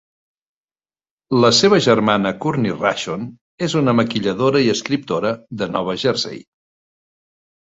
La seva germana Courtney Rashon és una maquilladora i escriptora de Nova Jersey.